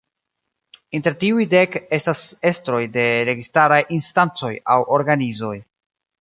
Inter tiuj dek estas estroj de registaraj instancoj aŭ organizoj.